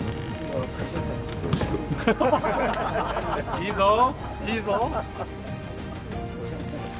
いいぞいいぞ。